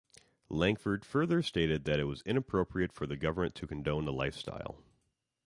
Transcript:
Langford further stated that it was inappropriate for the government to condone a lifestyle.